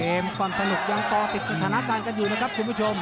ความสนุกยังก่อติดสถานการณ์กันอยู่นะครับคุณผู้ชม